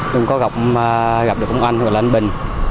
đừng có gặp được con anh hoặc là anh bình